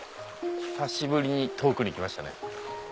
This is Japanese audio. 久しぶりに遠くに来ましたね。